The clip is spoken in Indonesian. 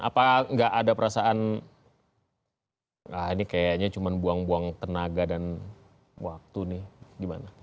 apa nggak ada perasaan nah ini kayaknya cuma buang buang tenaga dan waktu nih gimana